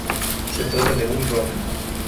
Se trata de un rock.